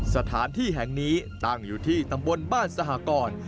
สถานที่แห่งนี้ตั้งอยู่ที่ตำบลบ้านสหกร